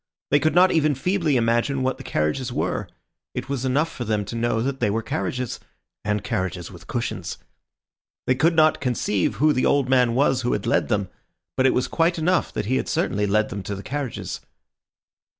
They could not even feebly imagine what the carriages were; it was enough for them to know that they were carriages, and carriages with cushions. They could not conceive who the old man was who had led them; but it was quite enough that he had certainly led them to the carriages.